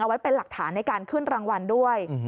ไว้เป็นหลักฐานในการขึ้นรางวัลด้วย